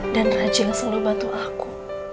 dan raju yang selalu bantu aku